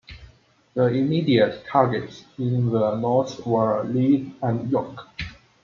The immediate targets in the north were Leeds and York.